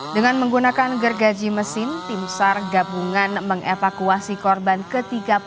dengan menggunakan gergaji mesin tim sar gabungan mengevakuasi korban ke tiga puluh